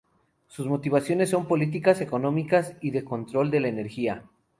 Sus motivaciones son políticas, económicas y de control de la energía.